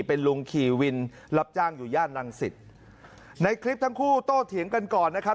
เป็นลุงขี่วินรับจ้างอยู่ย่านรังสิตในคลิปทั้งคู่โตเถียงกันก่อนนะครับ